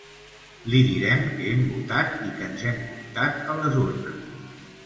Li direm que hem votat i que ens hem comptat a les urnes.